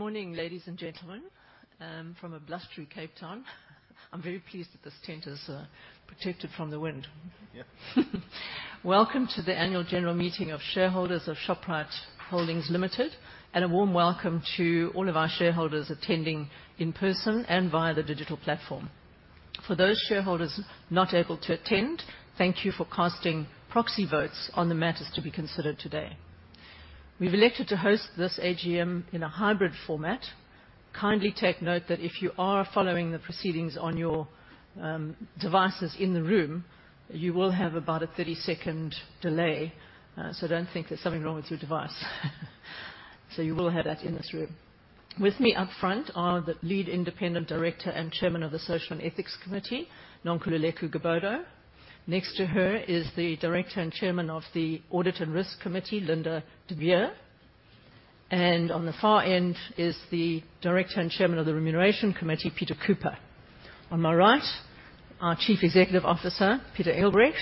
Good morning, ladies and gentlemen, from a blustery Cape Town. I'm very pleased that this tent is protected from the wind. Yep. Welcome to the annual general meeting of shareholders of Shoprite Holdings Limited, and a warm welcome to all of our shareholders attending in person and via the digital platform. For those shareholders not able to attend, thank you for casting proxy votes on the matters to be considered today. We've elected to host this AGM in a hybrid format. Kindly take note that if you are following the proceedings on your devices in the room, you will have about a 30-second delay. So don't think there's something wrong with your device. So you will have that in this room. With me up front are the Lead Independent Director and Chairman of the Social and Ethics Committee, Nonkululeko Gobodo. Next to her is the Director and Chairman of the Audit and Risk Committee, Linda de Beer, and on the far end is the Director and Chairman of the Remuneration Committee, Peter Cooper. On my right, our Chief Executive Officer, Pieter Engelbrecht,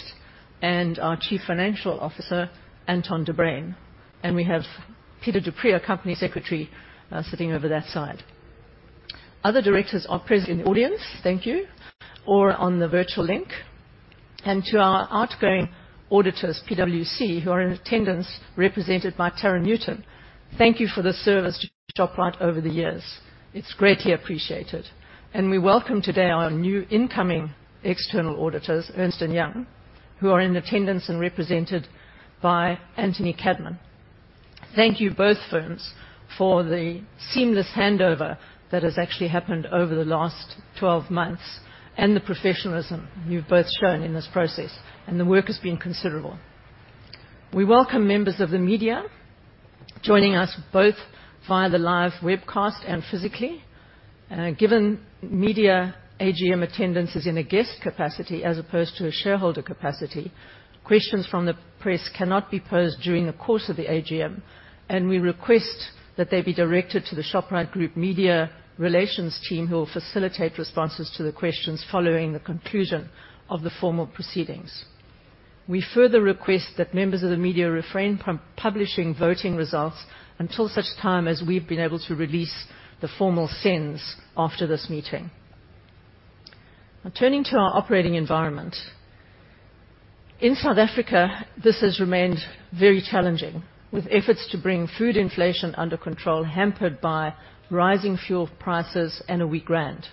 and our Chief Financial Officer, Anton de Bruyn. We have Peter du Preez, our Company Secretary, sitting over that side. Other directors are present in the audience, thank you, or on the virtual link. To our outgoing auditors, PwC, who are in attendance, represented by Tara Newton, thank you for the service to Shoprite over the years. It's greatly appreciated, and we welcome today our new incoming external auditors, Ernst & Young, who are in attendance and represented by Anthony Cadman. Thank you, both firms, for the seamless handover that has actually happened over the last 12 months, and the professionalism you've both shown in this process, and the work has been considerable. We welcome members of the media joining us both via the live webcast and physically. Given media AGM attendance is in a guest capacity as opposed to a shareholder capacity, questions from the press cannot be posed during the course of the AGM, and we request that they be directed to the Shoprite Group media relations team, who will facilitate responses to the questions following the conclusion of the formal proceedings. We further request that members of the media refrain from publishing voting results until such time as we've been able to release the formal SENS after this meeting. Now, turning to our operating environment. In South Africa, this has remained very challenging, with efforts to bring food inflation under control, hampered by rising fuel prices and a weak rand.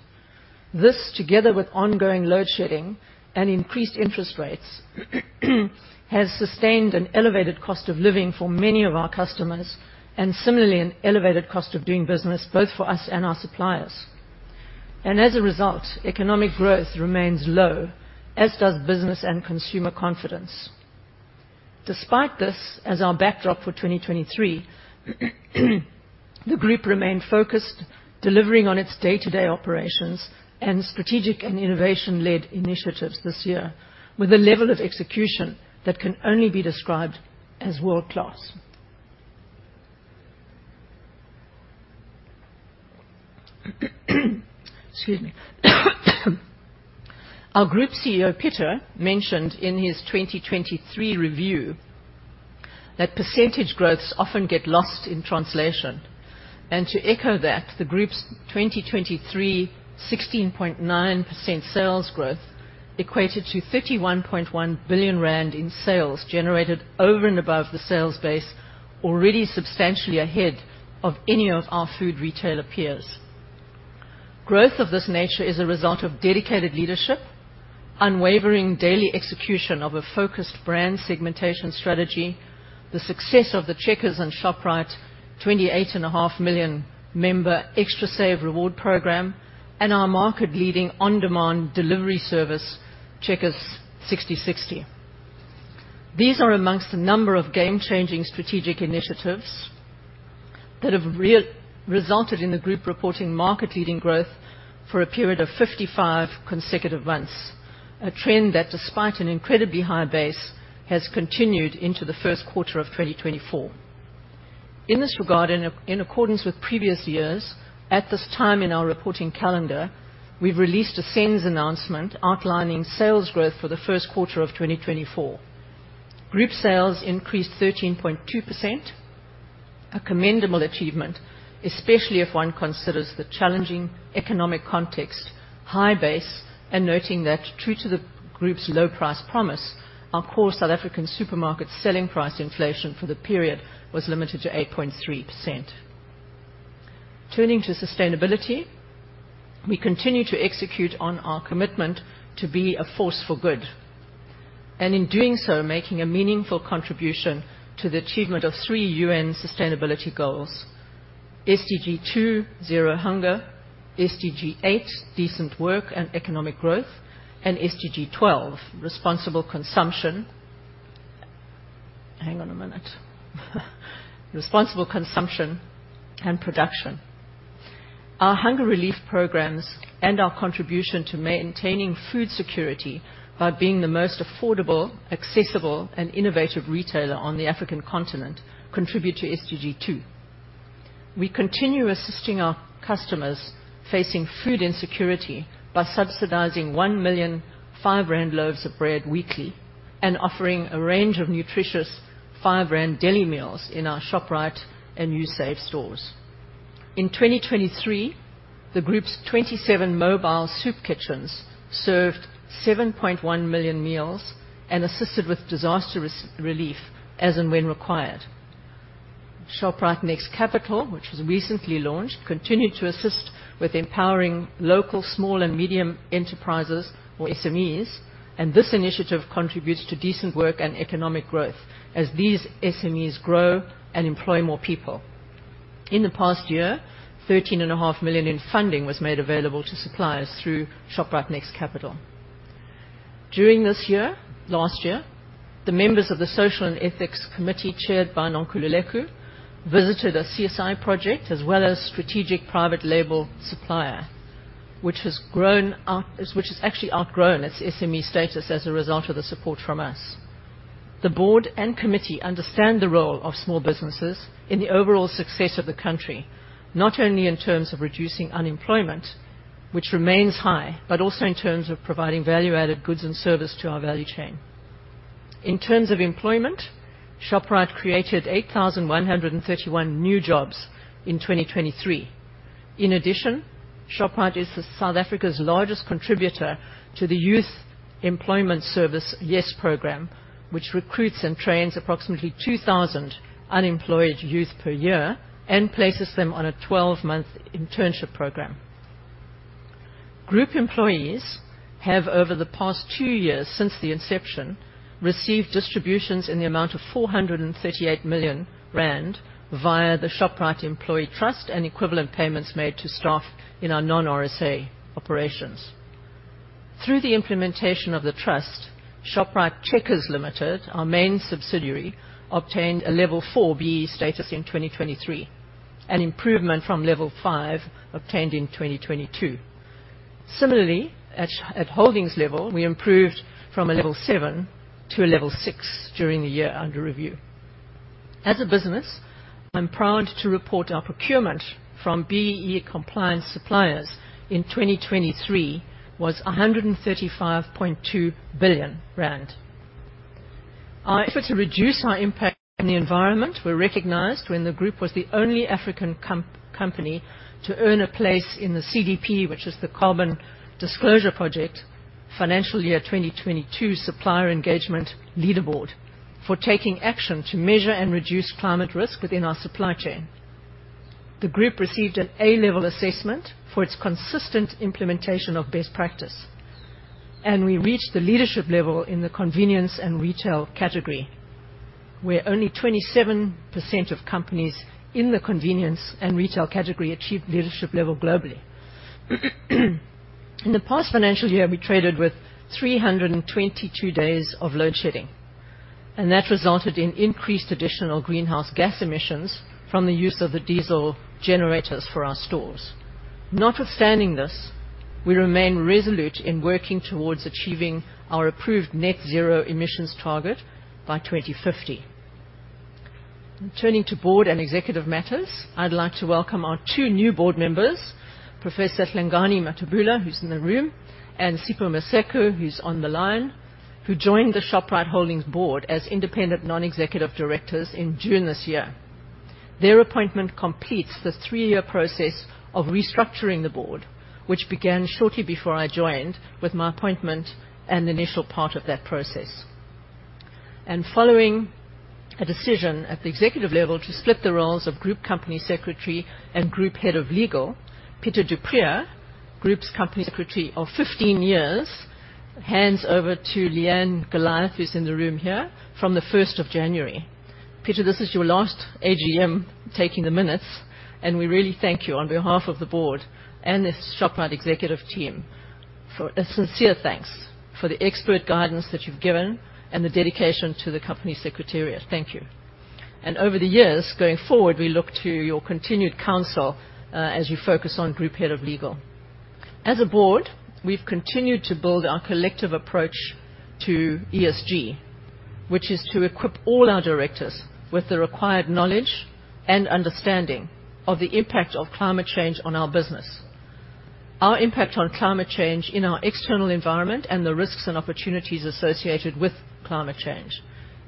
This, together with ongoing load shedding and increased interest rates, has sustained an elevated cost of living for many of our customers and similarly an elevated cost of doing business, both for us and our suppliers. As a result, economic growth remains low, as does business and consumer confidence. Despite this, as our backdrop for 2023, the group remained focused, delivering on its day-to-day operations and strategic and innovation-led initiatives this year, with a level of execution that can only be described as world-class. Excuse me. Our Group CEO, Pieter, mentioned in his 2023 review that percentage growths often get lost in translation, and to echo that, the group's 2023 16.9% sales growth equated to 31.1 billion rand in sales, generated over and above the sales base, already substantially ahead of any of our food retailer peers. Growth of this nature is a result of dedicated leadership, unwavering daily execution of a focused brand segmentation strategy, the success of the Checkers and Shoprite 28.5 million member Xtra Savings reward program, and our market-leading on-demand delivery service, Checkers Sixty60. These are among a number of game-changing strategic initiatives that have resulted in the group reporting market-leading growth for a period of 55 consecutive months. A trend that, despite an incredibly high base, has continued into the first quarter of 2024. In this regard, in accordance with previous years, at this time in our reporting calendar, we've released a SENS announcement outlining sales growth for the first quarter of 2024. Group sales increased 13.2%, a commendable achievement, especially if one considers the challenging economic context, high base, and noting that true to the group's low price promise, our core South African supermarket selling price inflation for the period was limited to 8.3%. Turning to sustainability, we continue to execute on our commitment to be a force for good, and in doing so, making a meaningful contribution to the achievement of three UN sustainability goals: SDG 2, Zero Hunger; SDG 8, Decent Work and Economic Growth; and SDG 12, Responsible Consumption. Hang on a minute. Responsible Consumption and Production. Our hunger relief programs and our contribution to maintaining food security by being the most affordable, accessible, and innovative retailer on the African continent, contribute to SDG 2. We continue assisting our customers facing food insecurity by subsidizing one million five-rand loaves of bread weekly and offering a range of nutritious five-rand deli meals in our Shoprite and Usave stores. In 2023, the group's 27 mobile soup kitchens served 7.1 million meals and assisted with disaster relief as and when required. Shoprite Next Capital, which was recently launched, continued to assist with empowering local small and medium enterprises or SMEs, and this initiative contributes to decent work and economic growth as these SMEs grow and employ more people. In the past year, 13.5 million in funding was made available to suppliers through Shoprite Next Capital. During this year, last year, the members of the Social and Ethics Committee, chaired by Nonkululeko, visited a CSI project as well as strategic private label supplier, which has grown up, which has actually outgrown its SME status as a result of the support from us. The board and committee understand the role of small businesses in the overall success of the country, not only in terms of reducing unemployment, which remains high, but also in terms of providing value-added goods and service to our value chain. In terms of employment, Shoprite created 8,131 new jobs in 2023. In addition, Shoprite is South Africa's largest contributor to the Youth Employment Service, YES Program, which recruits and trains approximately 2,000 unemployed youth per year and places them on a 12-month internship program. Group employees have, over the past two years since the inception, received distributions in the amount of 438 million rand via the Shoprite Employee Trust and equivalent payments made to staff in our non-RSA operations. Through the implementation of the trust, Shoprite Checkers Limited, our main subsidiary, obtained a level four BEE status in 2023, an improvement from level five, obtained in 2022. Similarly, at holdings level, we improved from a level seven to a level six during the year under review. As a business, I'm proud to report our procurement from BEE compliance suppliers in 2023 was 135.2 billion rand. Our effort to reduce our impact on the environment were recognized when the group was the only African company to earn a place in the CDP, which is the Carbon Disclosure Project, financial year 2022 Supplier Engagement Leaderboard, for taking action to measure and reduce climate risk within our supply chain. The group received an A-level assessment for its consistent implementation of best practice, and we reached the leadership level in the convenience and retail category, where only 27% of companies in the convenience and retail category achieved leadership level globally. In the past financial year, we traded with 322 days of load shedding, and that resulted in increased additional greenhouse gas emissions from the use of the diesel generators for our stores. Notwithstanding this, we remain resolute in working towards achieving our approved net zero emissions target by 2050. Turning to board and executive matters, I'd like to welcome our two new board members, Professor Hlengani Mathebula, who's in the room, and Sipho Maseko, who's on the line, who joined the Shoprite Holdings board as independent non-executive directors in June this year. Their appointment completes the 3-year process of restructuring the board, which began shortly before I joined, with my appointment and the initial part of that process. Following a decision at the executive level to split the roles of group company secretary and group head of legal, Peter du Preez, group's company secretary of 15 years, hands over to Leanne Goliath, who's in the room here, from January 1. Peter, this is your last AGM, taking the minutes, and we really thank you on behalf of the board and the Shoprite executive team, for a sincere thanks for the expert guidance that you've given and the dedication to the company secretariat. Thank you. Over the years, going forward, we look to your continued counsel, as you focus on Group Head of Legal. As a board, we've continued to build our collective approach to ESG, which is to equip all our directors with the required knowledge and understanding of the impact of climate change on our business, our impact on climate change in our external environment, and the risks and opportunities associated with climate change.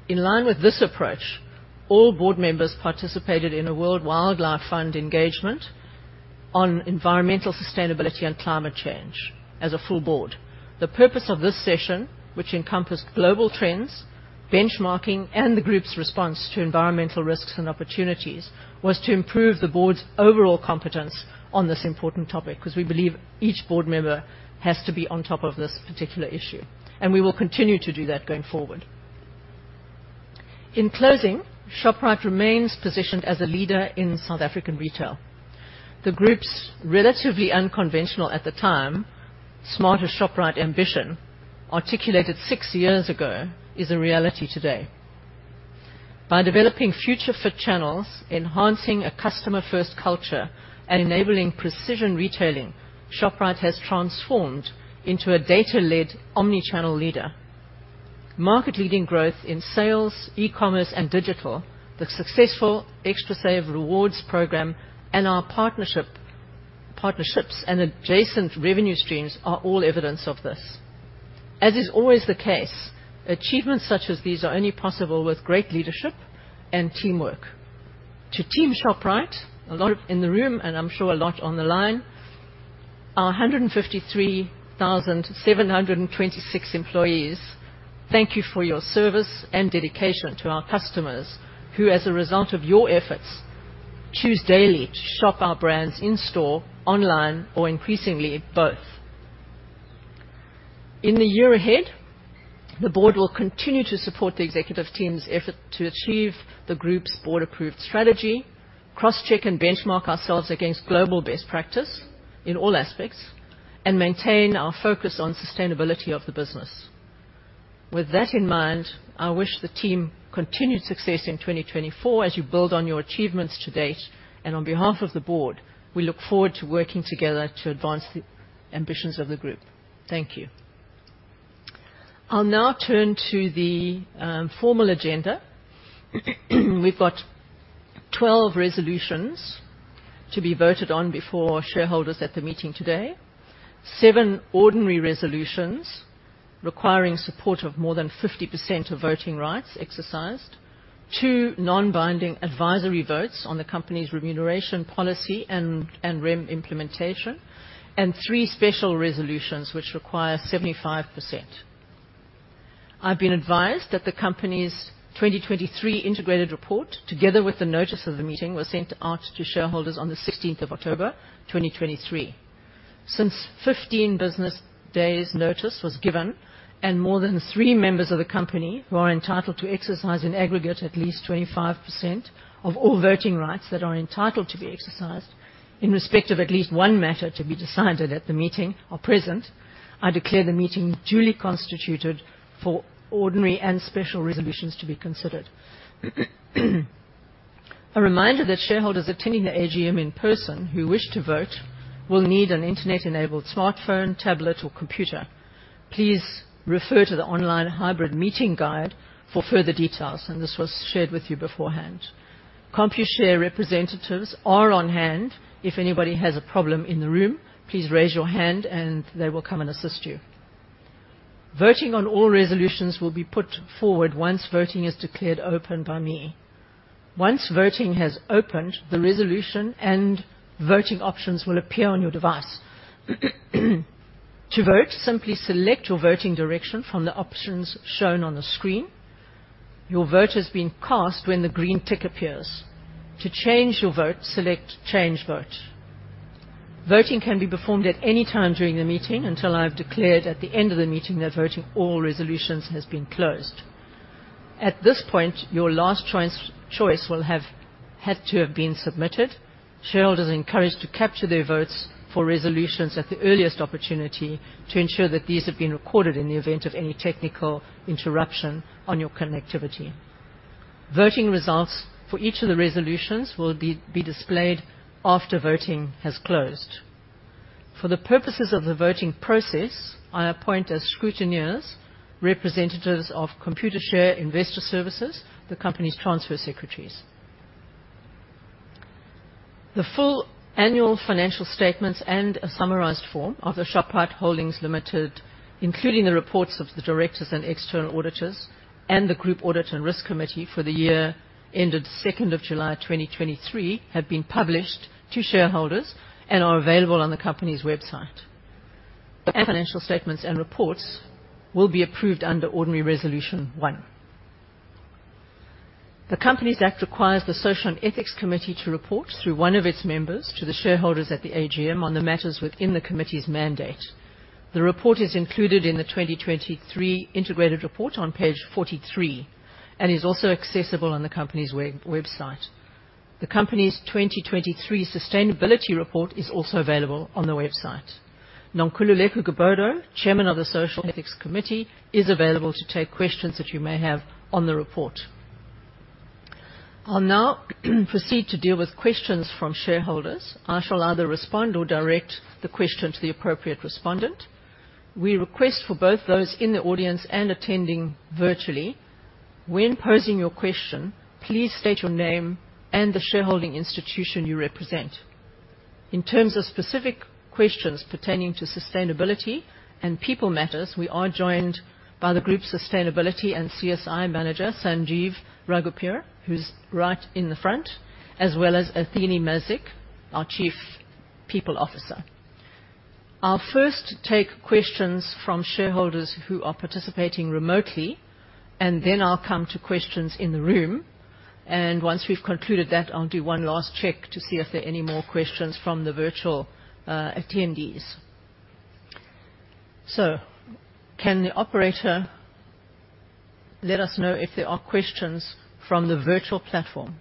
In line with this approach, all board members participated in a World Wildlife Fund engagement on environmental sustainability and climate change as a full board. The purpose of this session, which encompassed global trends, benchmarking, and the group's response to environmental risks and opportunities, was to improve the board's overall competence on this important topic, because we believe each board member has to be on top of this particular issue, and we will continue to do that going forward. In closing, Shoprite remains positioned as a leader in South African retail. The group's, relatively unconventional at the time, smarter Shoprite ambition, articulated six years ago, is a reality today. By developing future-fit channels, enhancing a customer-first culture, and enabling precision retailing, Shoprite has transformed into a data-led, omnichannel leader. Market-leading growth in sales, e-commerce, and digital, the successful Xtra Savings program, and our partnerships and adjacent revenue streams are all evidence of this. As is always the case, achievements such as these are only possible with great leadership and teamwork. To Team Shoprite, a lot in the room, and I'm sure a lot on the line, our 153,726 employees, thank you for your service and dedication to our customers, who, as a result of your efforts, choose daily to shop our brands in store, online, or increasingly, both. In the year ahead, the board will continue to support the executive team's effort to achieve the group's board-approved strategy, crosscheck and benchmark ourselves against global best practice in all aspects, and maintain our focus on sustainability of the business. With that in mind, I wish the team continued success in 2024 as you build on your achievements to date, and on behalf of the board, we look forward to working together to advance the ambitions of the group. Thank you. I'll now turn to the formal agenda. We've got 12 resolutions to be voted on before shareholders at the meeting today. seven ordinary resolutions requiring support of more than 50% of voting rights exercised, two non-binding advisory votes on the company's remuneration policy and remuneration implementation, and three special resolutions, which require 75%. I've been advised that the company's 2023 integrated report, together with the notice of the meeting, was sent out to shareholders on the 16th of October, 2023. Since 15 business days' notice was given and more than three members of the company, who are entitled to exercise in aggregate, at least 25% of all voting rights that are entitled to be exercised in respect of at least one matter to be decided at the meeting, are present, I declare the meeting duly constituted for ordinary and special resolutions to be considered. A reminder that shareholders attending the AGM in person who wish to vote will need an internet-enabled smartphone, tablet, or computer. Please refer to the online hybrid meeting guide for further details, and this was shared with you beforehand. Computershare representatives are on hand. If anybody has a problem in the room, please raise your hand and they will come and assist you. Voting on all resolutions will be put forward once voting is declared open by me. Once voting has opened, the resolution and voting options will appear on your device. To vote, simply select your voting direction from the options shown on the screen. Your vote has been cast when the green tick appears. To change your vote, select Change Vote. Voting can be performed at any time during the meeting, until I've declared at the end of the meeting, that voting all resolutions has been closed. At this point, your last choice will have had to have been submitted. Shareholders are encouraged to capture their votes for resolutions at the earliest opportunity to ensure that these have been recorded in the event of any technical interruption on your connectivity. Voting results for each of the resolutions will be displayed after voting has closed. For the purposes of the voting process, I appoint as scrutineers representatives of Computershare Investor Services, the company's transfer secretaries. The full annual financial statements and a summarized form of the Shoprite Holdings Limited, including the reports of the directors and external auditors and the group audit and risk committee for the year ended 2nd of July 2023, have been published to shareholders and are available on the company's website. Our financial statements and reports will be approved under Ordinary Resolution One. The Companies Act requires the Social and Ethics Committee to report through one of its members to the shareholders at the AGM on the matters within the committee's mandate. The report is included in the 2023 integrated report on page 43 and is also accessible on the company's website. The company's 2023 sustainability report is also available on the website. Nonkululeko Gobodo, Chairman of the Social and Ethics Committee, is available to take questions that you may have on the report. I'll now proceed to deal with questions from shareholders. I shall either respond or direct the question to the appropriate respondent. We request for both those in the audience and attending virtually, when posing your question, please state your name and the shareholding institution you represent. In terms of specific questions pertaining to sustainability and people matters, we are joined by the Group's Sustainability and CSI Manager, Sanjeev Raghubir, who's right in the front, as well as Athene Van Mazijk, our Chief People Officer. I'll first take questions from shareholders who are participating remotely, and then I'll come to questions in the room, and once we've concluded that, I'll do one last check to see if there are any more questions from the virtual attendees. So can the operator let us know if there are questions from the virtual platform?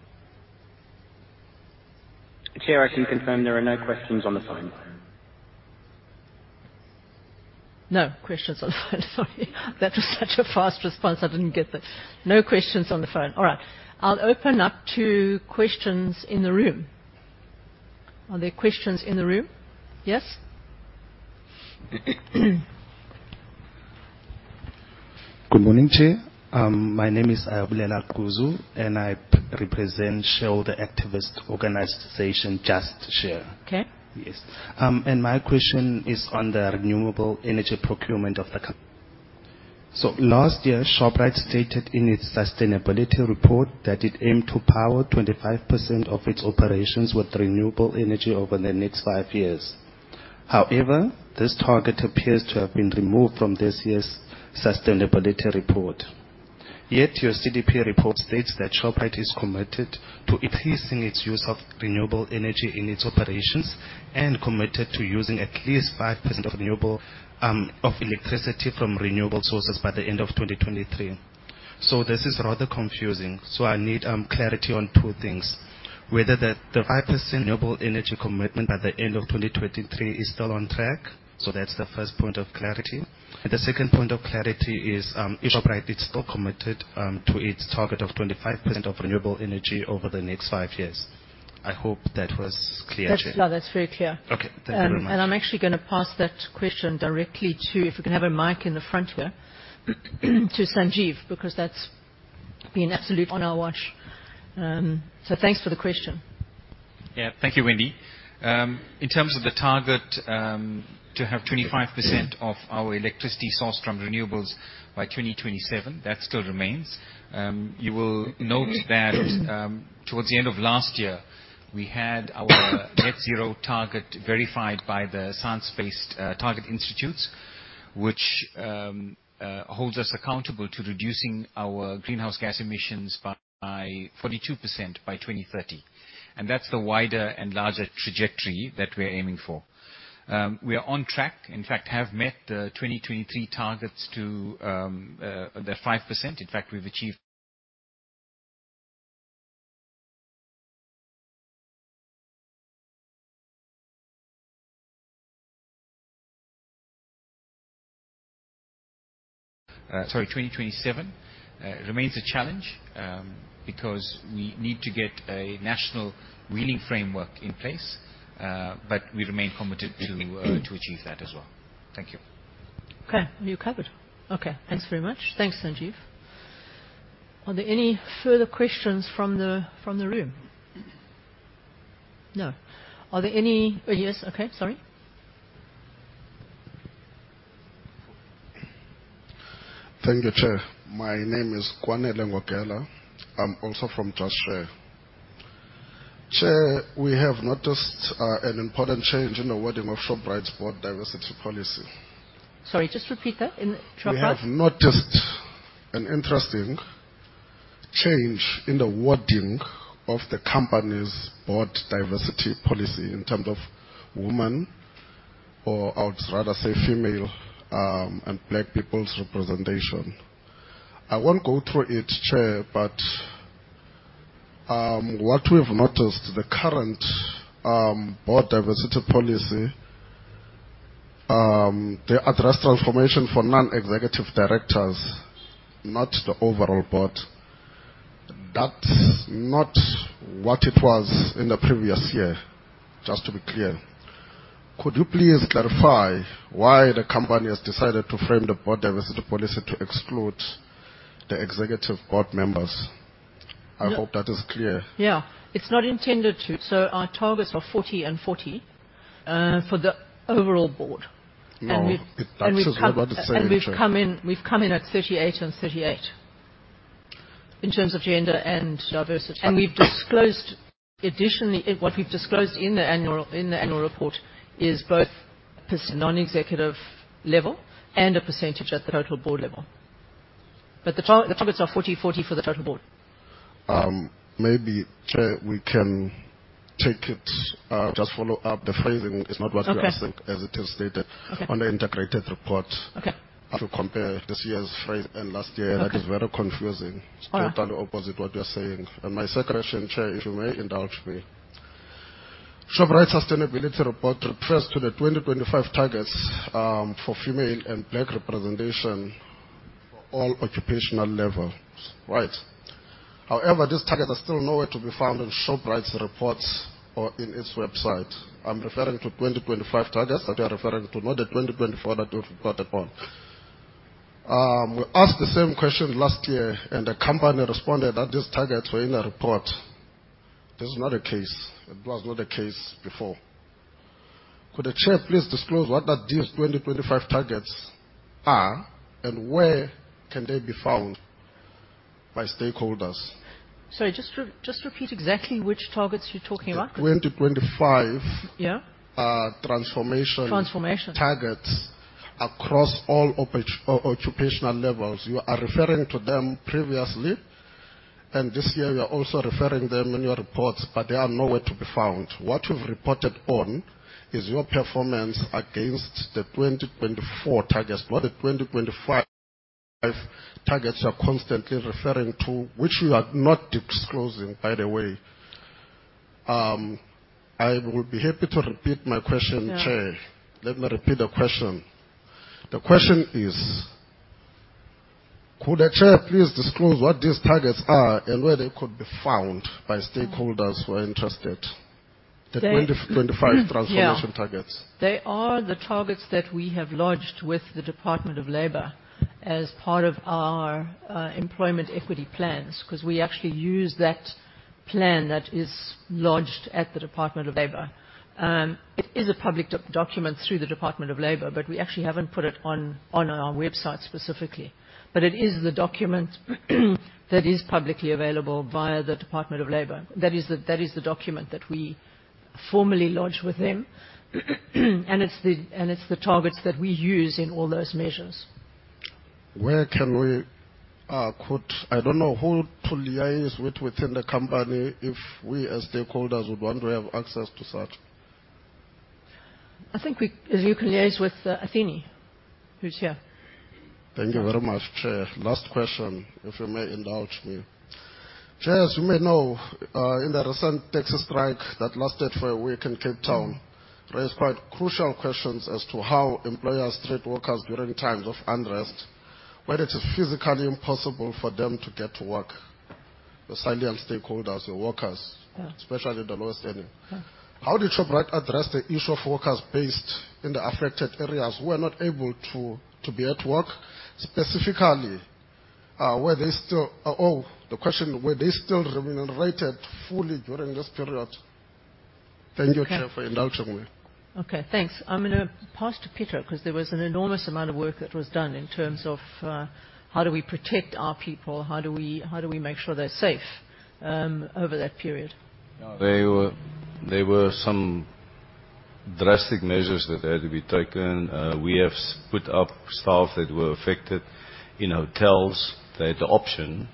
Chair, I can confirm there are no questions on the phone. No questions on the phone. Sorry, that was such a fast response. I didn't get that. No questions on the phone. All right. I'll open up to questions in the room. Are there questions in the room? Yes? Good morning, Chair. My name is Ayabulela Quzu, and I represent shareholder activist organization, Just Share. Okay. Yes. And my question is on the renewable energy procurement of the company. So last year, Shoprite stated in its sustainability report that it aimed to power 25% of its operations with renewable energy over the next five years. However, this target appears to have been removed from this year's sustainability report. Yet your CDP report states that Shoprite is committed to increasing its use of renewable energy in its operations and committed to using at least 5% of renewable, of electricity from renewable sources by the end of 2023. So this is rather confusing, so I need clarity on two things: whether the, the 5% renewable energy commitment by the end of 2023 is still on track? So that's the first point of clarity. The second point of clarity is, if Shoprite is still committed to its target of 25% of renewable energy over the next five years. I hope that was clear, Chair. That's, no, that's very clear. Okay. Thank you very much. I'm actually gonna pass that question directly to. If we can have a mic in the front here, to Sanjeev, because that's been absolutely on our watch. So thanks for the question. Yeah. Thank you, Wendy. In terms of the target, to have 25% of our electricity sourced from renewables by 2027, that still remains. You will note that, towards the end of last year, we had our net zero target verified by the Science Based Targets initiative, which holds us accountable to reducing our greenhouse gas emissions by 42% by 2030. And that's the wider and larger trajectory that we're aiming for. We are on track, in fact, have met the 2023 targets to the 5%. In fact, sorry, 2027 remains a challenge, because we need to get a national wheeling framework in place, but we remain committed to achieve that as well. Thank you. Okay, you're covered. Okay, thanks very much. Thanks, Sanjeev. Are there any further questions from the, from the room? No. Are there any... Oh, yes. Okay, sorry. Thank you, Chair. My name is Kwanele Ngogela. I'm also from Just Share. Chair, we have noticed an important change in the wording of Shoprite's board diversity policy. Sorry, just repeat that, in Shoprite? We have noticed an interesting change in the wording of the company's board diversity policy in terms of women, or I would rather say female, and Black people's representation. I won't go through it, Chair, but, what we've noticed, the current board diversity policy, they address transformation for non-executive directors, not the overall board. That's not what it was in the previous year, just to be clear. Could you please clarify why the company has decided to frame the board diversity policy to exclude the executive board members? Yeah. I hope that is clear. Yeah. It's not intended to. So our targets are 40 and 40 for the overall board. No, that is what I'm about to say- We've come in at 38 and 38 in terms of gender and diversity. We've disclosed... Additionally, what we've disclosed in the annual report is both per non-executive level and a percentage at the total board level. But the targets are 40, 40 for the total board. Maybe, Chair, we can take it, just follow up. The phrasing is not what we are seeing- Okay. - as it is stated- Okay. - on the integrated report. Okay. If you compare this year's phrase and last year- Okay. That is very confusing. All right. Totally opposite what you're saying. My second question, Chair, if you may indulge me. Shoprite sustainability report refers to the 2025 targets for female and Black representation for all occupational levels, right? However, these targets are still nowhere to be found on Shoprite's reports or in its website. I'm referring to 2025 targets that you're referring to, not the 2024 that we've reported on. We asked the same question last year, and the company responded that these targets were in a report. This is not the case. It was not the case before. Could the Chair please disclose what these 2025 targets are, and where can they be found by stakeholders? Sorry, just repeat exactly which targets you're talking about. The 2025 Yeah. - transformation- Transformation targets across all occupational levels. You are referring to them previously, and this year you are also referring them in your reports, but they are nowhere to be found. What you've reported on is your performance against the 2024 targets, but the 2025 targets you are constantly referring to, which you are not disclosing, by the way. I will be happy to repeat my question, Chair. Yeah. Let me repeat the question. The question is: Could the Chair please disclose what these targets are and where they could be found by stakeholders who are interested? The 2025 transformation targets? Yeah. They are the targets that we have lodged with the Department of Labor as part of our employment equity plans, 'cause we actually use that plan that is lodged at the Department of Labor. It is a public document through the Department of Labor, but we actually haven't put it on our website specifically. But it is the document that is publicly available via the Department of Labor. That is the document that we formally lodged with them. And it's the targets that we use in all those measures. Where can we, I don't know who to liaise with within the company if we, as stakeholders, would want to have access to such? I think you can liaise with Athene, who's here. Thank you very much, Chair. Last question, if you may indulge me. Chair, as you may know, in the recent taxi strike that lasted for a week in Cape Town, raised quite crucial questions as to how employers treat workers during times of unrest, when it is physically impossible for them to get to work. Especially stakeholders or workers- Yeah. -especially the lowest earning. Yeah. How did Shoprite address the issue of workers based in the affected areas who are not able to be at work, specifically, were they still remunerated fully during this period? Thank you, Chair, for indulging me. Okay, thanks. I'm gonna pass to Pieter, 'cause there was an enormous amount of work that was done in terms of, how do we protect our people? How do we, how do we make sure they're safe, over that period? Yeah. There were some drastic measures that had to be taken. We have put up staff that were affected in hotels. They had the option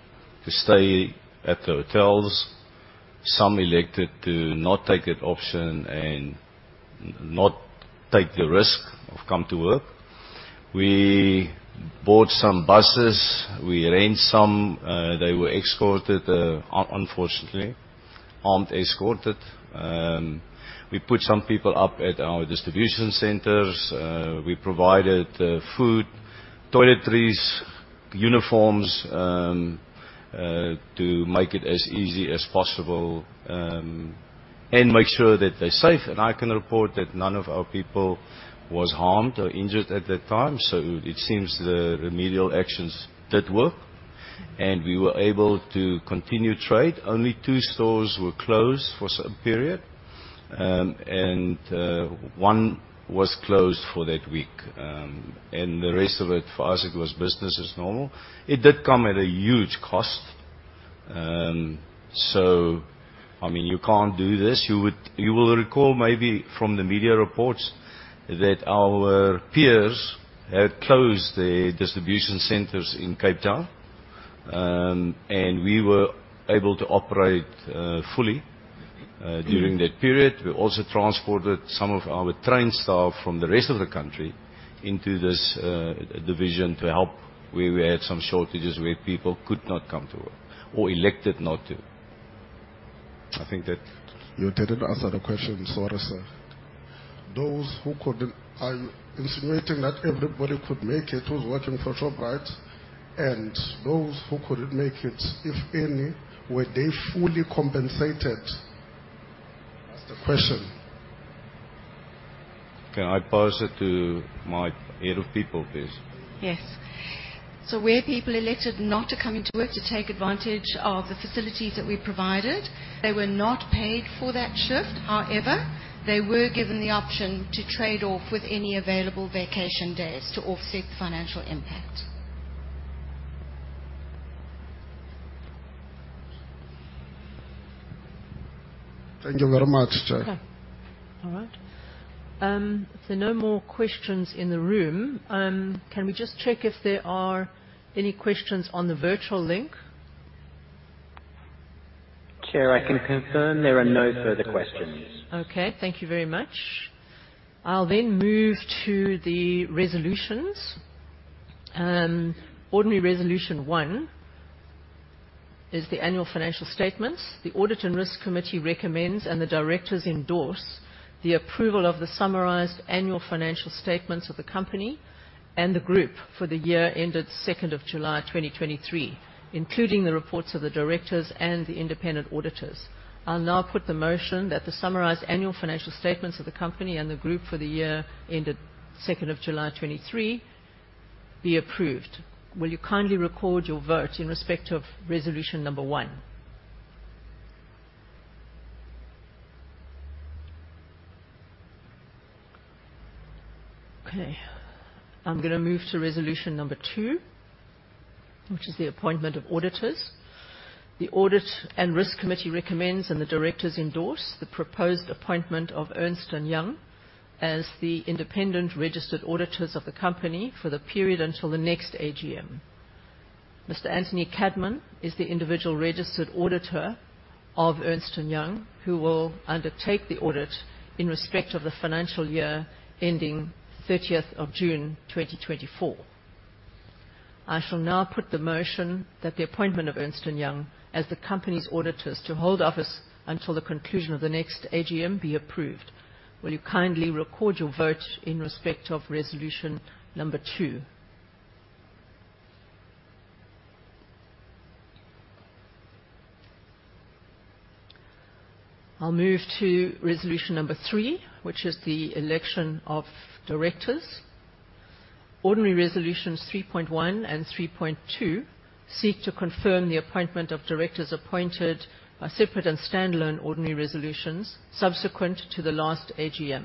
to stay at the hotels. Some elected to not take that option and not take the risk of come to work. We bought some buses, we arranged some, they were escorted, unfortunately, armed escorted. We put some people up at our distribution centers. We provided food, toiletries, uniforms to make it as easy as possible, and make sure that they're safe. And I can report that none of our people was harmed or injured at that time, so it seems the remedial actions did work, and we were able to continue trade. Only two stores were closed for some period. And one was closed for that week. And the rest of it, for us, it was business as normal. It did come at a huge cost. So I mean, you can't do this. You will recall maybe from the media reports, that our peers had closed their distribution centers in Cape Town. And we were able to operate fully during that period. We also transported some of our trained staff from the rest of the country into this division to help where we had some shortages, where people could not come to work or elected not to. I think that- You didn't answer the question. Sorry, sir. Those who couldn't... Are you insinuating that everybody could make it, who's working for Shoprite? And those who couldn't make it, if any, were they fully compensated? That's the question. Can I pass it to my head of people, please? Yes. So where people elected not to come into work to take advantage of the facilities that we provided, they were not paid for that shift. However, they were given the option to trade off with any available vacation days to offset the financial impact. Thank you very much, Chair. Okay. All right. If there are no more questions in the room, can we just check if there are any questions on the virtual link? Chair, I can confirm there are no further questions. Okay, thank you very much. I'll then move to the resolutions. Ordinary resolution One is the annual financial statements. The audit and risk committee recommends, and the directors endorse, the approval of the summarized annual financial statements of the company and the group for the year ended 2nd of July 2023, including the reports of the directors and the independent auditors. I'll now put the motion that the summarized annual financial statements of the company and the group for the year ended 2nd of July 2023 be approved. Will you kindly record your vote in respect of resolution number One? Okay. I'm gonna move to resolution number two, which is the appointment of auditors. The audit and risk committee recommends, and the directors endorse, the proposed appointment of Ernst & Young as the independent registered auditors of the company for the period until the next AGM. Mr. Anthony Cadman is the individual registered auditor of Ernst & Young, who will undertake the audit in respect of the financial year ending 30th of June 2024. I shall now put the motion that the appointment of Ernst & Young as the company's auditors to hold office until the conclusion of the next AGM, be approved. Will you kindly record your vote in respect of resolution number two? I'll move to resolution number three, which is the election of directors. Ordinary resolutions 3.1 and 3.2 seek to confirm the appointment of directors appointed by separate and standalone ordinary resolutions subsequent to the last AGM,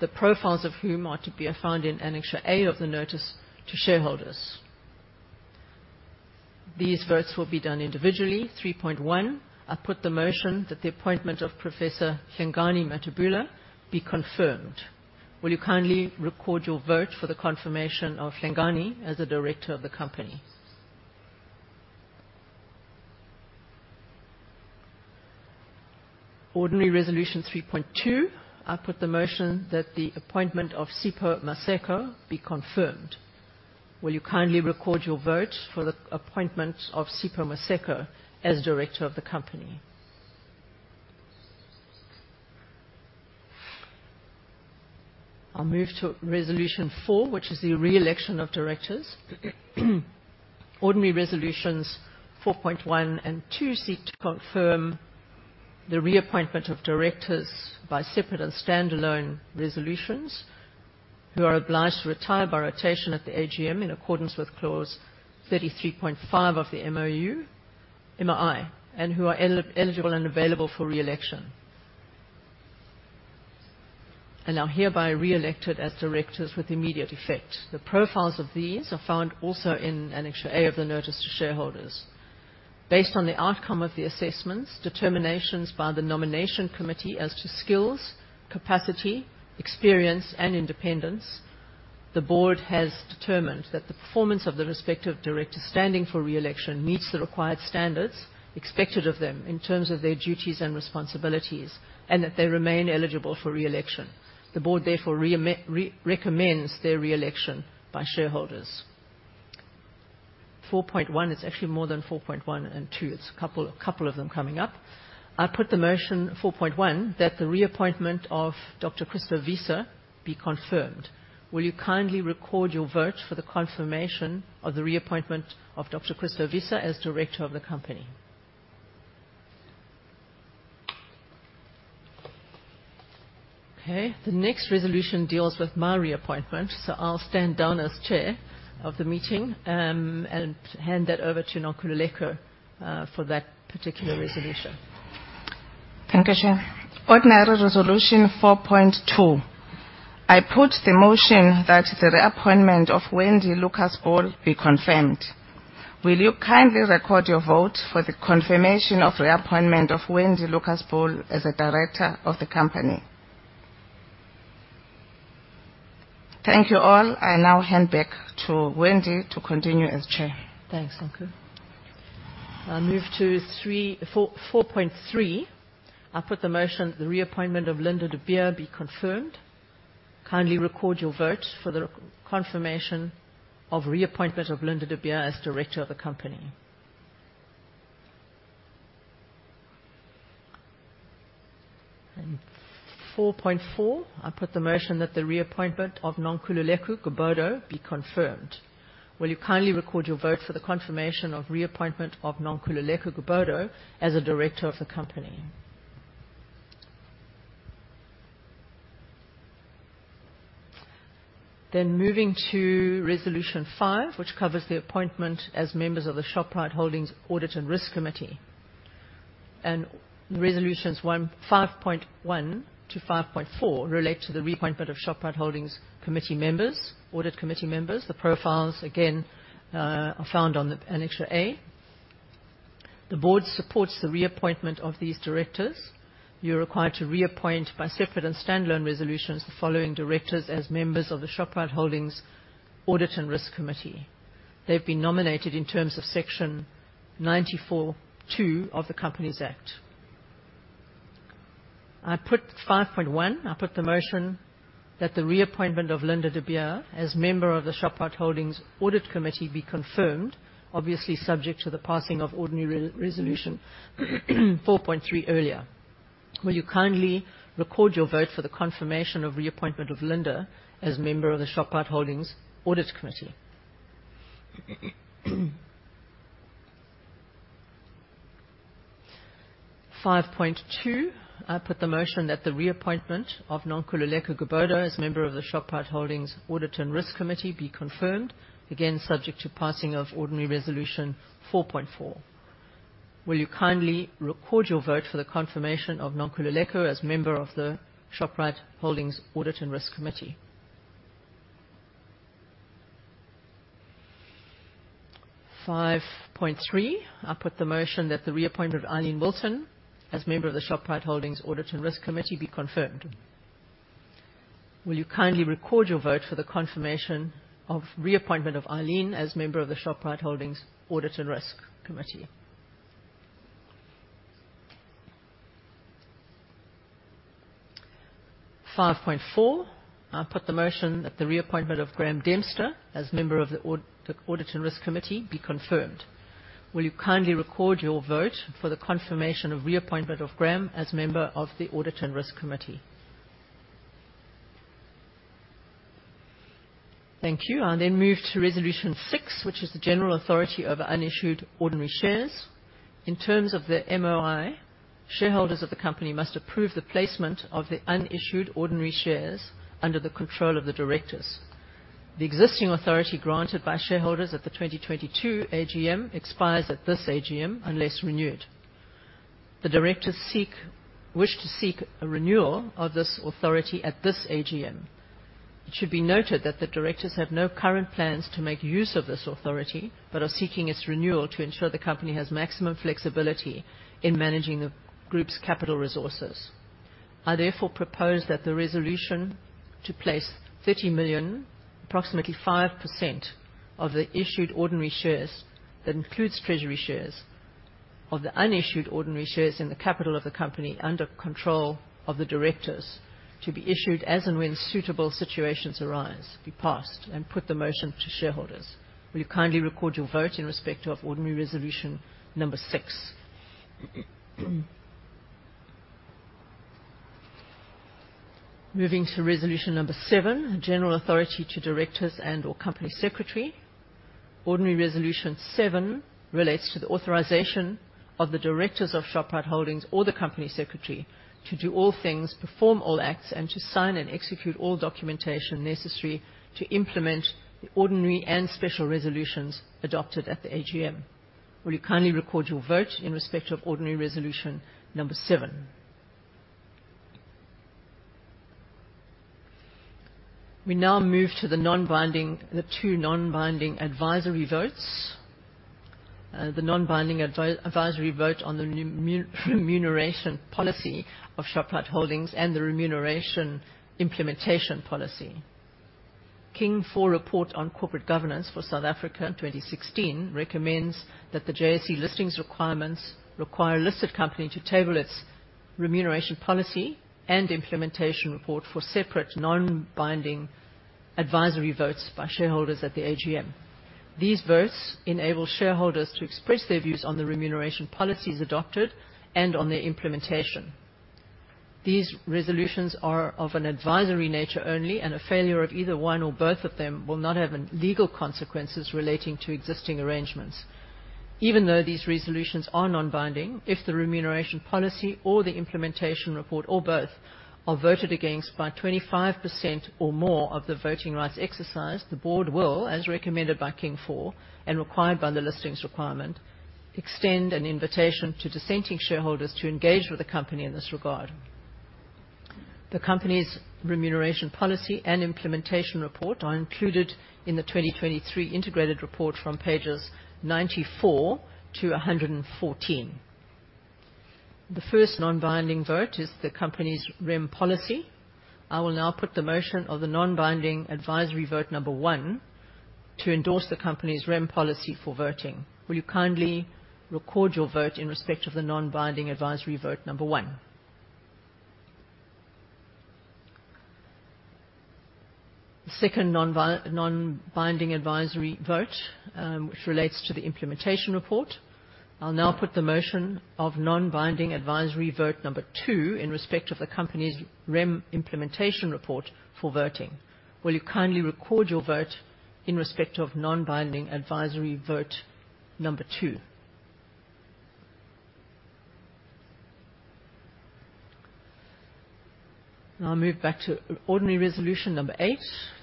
the profiles of whom are to be found in Annex A of the notice to shareholders. These votes will be done individually. 3.1, I put the motion that the appointment of Professor Hlengani Mathebula be confirmed. Will you kindly record your vote for the confirmation of Hlengani as a director of the company? Ordinary resolution 3.2, I put the motion that the appointment of Sipho Maseko be confirmed. Will you kindly record your vote for the appointment of Sipho Maseko as director of the company? I'll move to resolution four, which is the re-election of directors. Ordinary resolutions 4.1 and 4.2 seek to confirm the reappointment of directors by separate and standalone resolutions, who are obliged to retire by rotation at the AGM, in accordance with Clause 33.5 of the MOI, and who are eligible and available for re-election. And are hereby re-elected as directors with immediate effect. The profiles of these are found also in Annex A of the notice to shareholders. Based on the outcome of the assessments, determinations by the nomination committee as to skills, capacity, experience, and independence, the board has determined that the performance of the respective directors standing for re-election meets the required standards expected of them in terms of their duties and responsibilities, and that they remain eligible for re-election. The board therefore recommends their re-election by shareholders. 4.1 is actually more than 4.1 and 2. It's a couple, couple of them coming up. I put the motion, 4.1, that the reappointment of Dr. Christo Wiese be confirmed. Will you kindly record your vote for the confirmation of the reappointment of Dr. Christo Wiese as director of the company? Okay. The next resolution deals with my reappointment, so I'll stand down as chair of the meeting, and hand that over to Nonkululeko, for that particular resolution. Thank you, Chair. Ordinary resolution 4.2, I put the motion that the reappointment of Wendy Lucas-Bull be confirmed. Will you kindly record your vote for the confirmation of reappointment of Wendy Lucas-Bull as a director of the company? Thank you, all. I now hand back to Wendy to continue as chair. Thanks, Nonku. I'll move to 3...4, 4.3. I put the motion that the reappointment of Linda de Beer be confirmed. Kindly record your vote for the re-confirmation of reappointment of Linda de Beer as director of the company. And 4.4, I put the motion that the reappointment of Nonkululeko Gobodo be confirmed. Will you kindly record your vote for the confirmation of reappointment of Nonkululeko Gobodo as a director of the company? Then moving to resolution 5, which covers the appointment as members of the Shoprite Holdings Audit and Risk Committee. And resolutions 1, 5.1 to 5.4 relate to the reappointment of Shoprite Holdings committee members, audit committee members. The profiles again are found on the Annex A. The board supports the reappointment of these directors. You're required to reappoint by separate and standalone resolutions, the following directors as members of the Shoprite Holdings Audit and Risk Committee. They've been nominated in terms of Section 94(2) of the Companies Act. I put 5.1. I put the motion that the reappointment of Linda de Beer as member of the Shoprite Holdings Audit Committee be confirmed, obviously subject to the passing of ordinary resolution 4.3 earlier. Will you kindly record your vote for the confirmation of reappointment of Linda as member of the Shoprite Holdings Audit Committee? 5.2, I put the motion that the reappointment of Nonkululeko Gobodo as member of the Shoprite Holdings Audit and Risk Committee be confirmed, again, subject to passing of ordinary resolution 4.4. Will you kindly record your vote for the confirmation of Nonkululeko as member of the Shoprite Holdings Audit and Risk Committee? 5.3, I put the motion that the reappointment of Eileen Wilton as member of the Shoprite Holdings Audit and Risk Committee be confirmed. Will you kindly record your vote for the confirmation of reappointment of Eileen as member of the Shoprite Holdings Audit and Risk Committee? 5.4, I put the motion that the reappointment of Graham Dempster as member of the Audit and Risk Committee be confirmed. Will you kindly record your vote for the confirmation of reappointment of Graham as member of the Audit and Risk Committee? Thank you. I'll then move to Resolution 6, which is the general authority over unissued ordinary shares. In terms of the MOI, shareholders of the company must approve the placement of the unissued ordinary shares under the control of the directors. The existing authority granted by shareholders at the 2022 AGM expires at this AGM, unless renewed. The directors wish to seek a renewal of this authority at this AGM. It should be noted that the directors have no current plans to make use of this authority, but are seeking its renewal to ensure the company has maximum flexibility in managing the group's capital resources. I therefore propose that the resolution to place 30 million, approximately 5% of the issued ordinary shares, that includes treasury shares, of the unissued ordinary shares in the capital of the company, under control of the directors, to be issued as and when suitable situations arise, be passed, and put the motion to shareholders. Will you kindly record your vote in respect of ordinary resolution number six? Moving to resolution number seven, a general authority to directors and/or company secretary. Ordinary Resolution Seven relates to the authorization of the directors of Shoprite Holdings or the company secretary to do all things, perform all acts, and to sign and execute all documentation necessary to implement the ordinary and special resolutions adopted at the AGM. Will you kindly record your vote in respect of ordinary resolution number seven? We now move to the two non-binding advisory votes. The non-binding advisory vote on the remuneration policy of Shoprite Holdings and the remuneration implementation policy. King IV report on corporate governance for South Africa in 2016 recommends that the JSE listings requirements require a listed company to table its remuneration policy and implementation report for separate non-binding advisory votes by shareholders at the AGM. These votes enable shareholders to express their views on the remuneration policies adopted and on their implementation. These resolutions are of an advisory nature only, and a failure of either one or both of them will not have legal consequences relating to existing arrangements. Even though these resolutions are non-binding, if the remuneration policy or the implementation report or both are voted against by 25% or more of the voting rights exercised, the board will, as recommended by King IV and required by the listings requirement, extend an invitation to dissenting shareholders to engage with the company in this regard. The company's remuneration policy and implementation report are included in the 2023 integrated report from pages 94 to 114. The first non-binding vote is the company's REM policy. I will now put the motion of the non-binding advisory vote number one, to endorse the company's REM policy for voting. Will you kindly record your vote in respect of the non-binding advisory vote number one? The second non-binding advisory vote, which relates to the implementation report. I'll now put the motion of non-binding advisory vote number two, in respect of the company's REM implementation report for voting. Will you kindly record your vote in respect of non-binding advisory vote number two? Now, I'll move back to ordinary resolution number eight,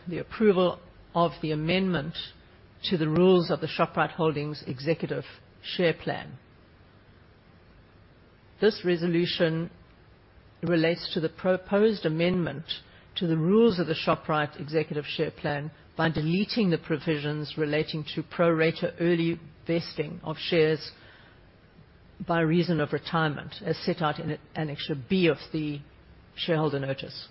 the approval of the amendment to the rules of the Shoprite Holdings executive share plan. This resolution relates to the proposed amendment to the rules of the Shoprite executive share plan by deleting the provisions relating to pro rata early vesting of shares by reason of retirement, as set out in Annex B of the shareholder notice.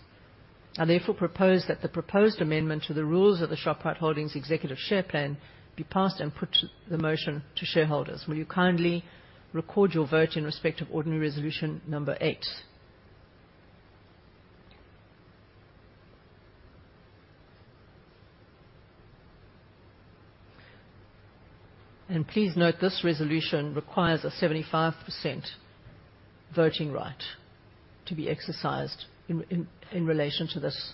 I therefore propose that the proposed amendment to the rules of the Shoprite Holdings executive share plan be passed and put the motion to shareholders. Will you kindly record your vote in respect of ordinary resolution number eight? And please note, this resolution requires a 75% voting right to be exercised in relation to this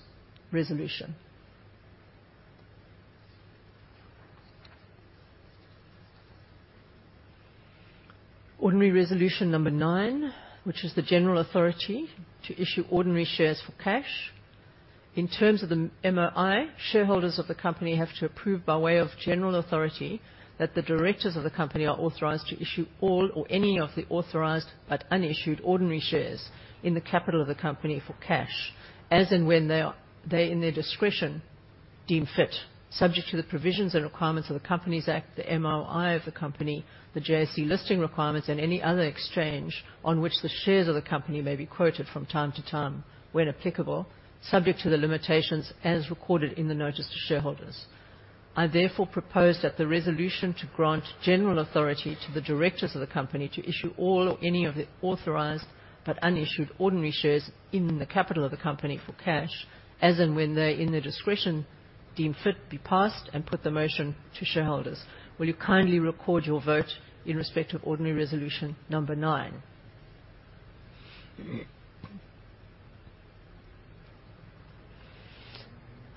resolution. Ordinary resolution number nine, which is the general authority to issue ordinary shares for cash. In terms of the MOI, shareholders of the company have to approve, by way of general authority, that the directors of the company are authorized to issue all or any of the authorized but unissued ordinary shares in the capital of the company for cash, as and when they, in their discretion, deem fit, subject to the provisions and requirements of the Companies Act, the MOI of the company, the JSE listing requirements, and any other exchange on which the shares of the company may be quoted from time to time, when applicable, subject to the limitations as recorded in the notice to shareholders. I therefore propose that the resolution to grant general authority to the directors of the company to issue all or any of the authorized but unissued ordinary shares in the capital of the company for cash, as and when they, in their discretion, deem fit, be passed, and put the motion to shareholders. Will you kindly record your vote in respect of ordinary resolution number nine?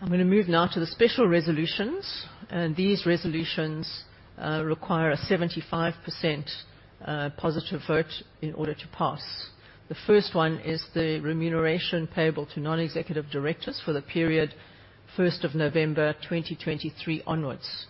I'm going to move now to the special resolutions, and these resolutions require a 75% positive vote in order to pass. The first one is the remuneration payable to non-executive directors for the period first of November 2023 onwards.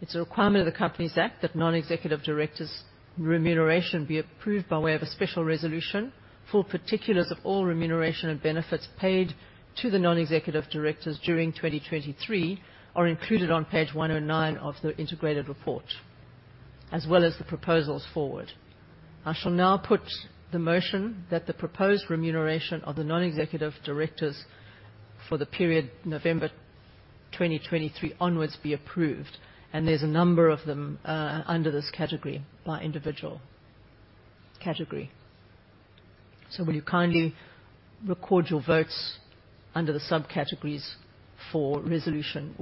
It's a requirement of the Companies Act that non-executive directors' remuneration be approved by way of a special resolution. Full particulars of all remuneration and benefits paid to the non-executive directors during 2023 are included on page 109 of the integrated report, as well as the proposals forward. I shall now put the motion that the proposed remuneration of the non-executive directors for the period November 2023 onwards be approved, and there's a number of them under this category by individual category. So will you kindly record your votes under the subcategories for resolution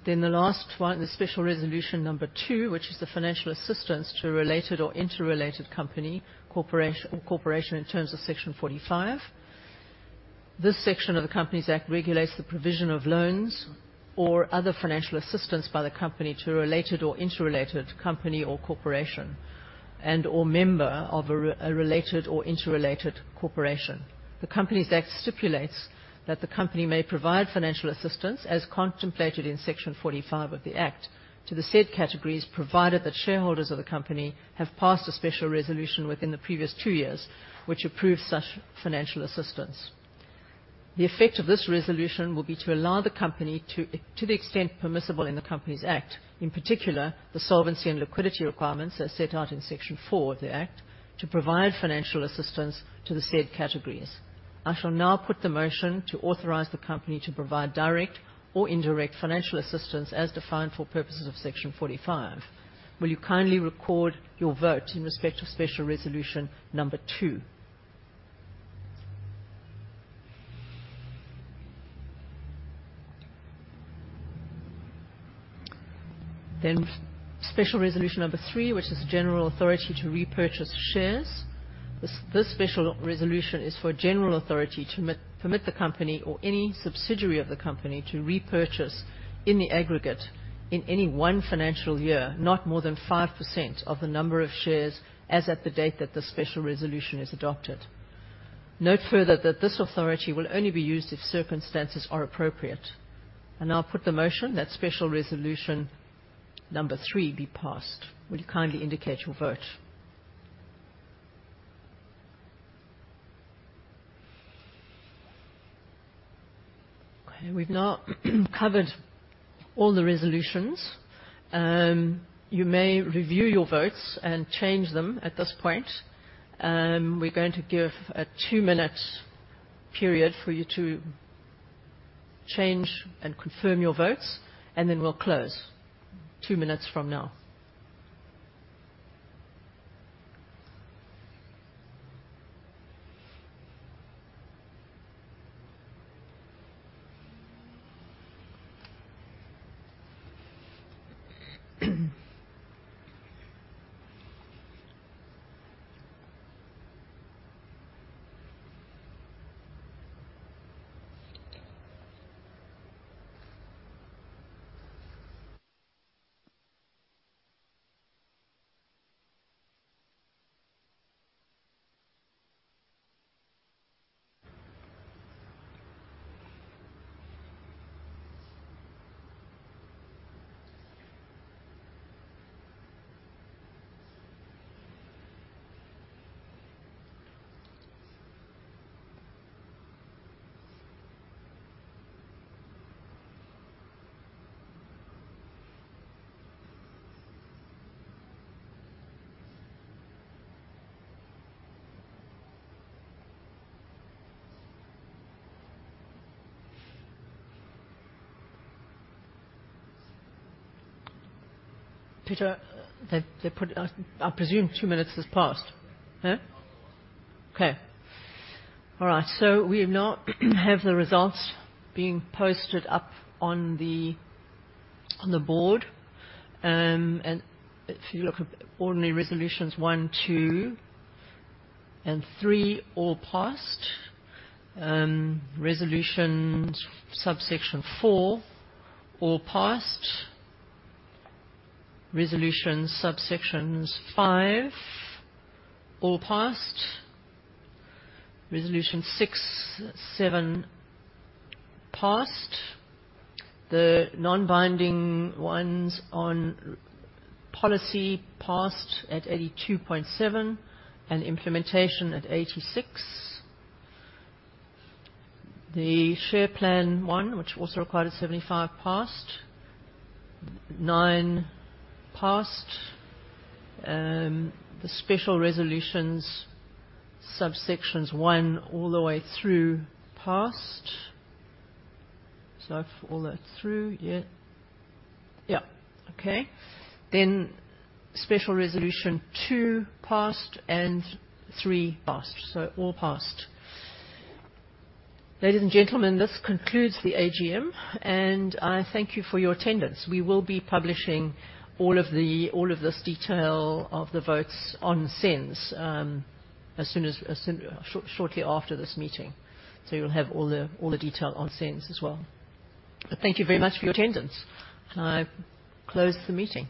one? All right, then the last one, the special resolution number two, which is the financial assistance to a related or interrelated company, corporation, corporation in terms of Section 45. This section of the Companies Act regulates the provision of loans or other financial assistance by the company to a related or interrelated company or corporation, and/or member of a related or interrelated corporation. The Companies Act stipulates that the company may provide financial assistance as contemplated in Section 45 of the Act to the said categories, provided that shareholders of the company have passed a special resolution within the previous two years, which approves such financial assistance. The effect of this resolution will be to allow the company to, to the extent permissible in the Companies Act, in particular, the solvency and liquidity requirements as set out in Section 4 of the Act, to provide financial assistance to the said categories. I shall now put the motion to authorize the company to provide direct or indirect financial assistance as defined for purposes of Section 45. Will you kindly record your vote in respect to special resolution number two? Then special resolution number three, which is general authority to repurchase shares. This special resolution is for a general authority to permit the company or any subsidiary of the company to repurchase in the aggregate, in any one financial year, not more than 5% of the number of shares as at the date that the special resolution is adopted. Note further that this authority will only be used if circumstances are appropriate. I now put the motion that special resolution number three be passed. Will you kindly indicate your vote? Okay, we've now covered all the resolutions. You may review your votes and change them at this point. We're going to give a two-minute period for you to change and confirm your votes, and then we'll close two minutes from now. Peter, they put. I presume two minutes has passed. Huh? Oh, yes. Okay. All right, so we now have the results being posted up on the board. And if you look at ordinary resolutions one, two, and three, all passed. Resolution subsection four, all passed. Resolution subsections five, all passed. Resolution six, seven, passed. The non-binding ones on policy passed at 82.7 and implementation at 86. The share plan one, which also required a 75, passed. nine, passed. The special resolutions, subsections one all the way through, passed. So all that through, yeah. Yeah. Okay. Then special resolution two, passed, and three, passed. So all passed. Ladies and gentlemen, this concludes the AGM, and I thank you for your attendance. We will be publishing all of this detail of the votes on SENS shortly after this meeting. So you'll have all the detail on SENS as well. But thank you very much for your attendance. I close the meeting.